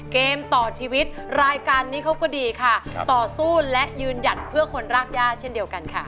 เกมต่อชีวิตรายการนี้เขาก็ดีค่ะต่อสู้และยืนหยัดเพื่อคนรากย่าเช่นเดียวกันค่ะ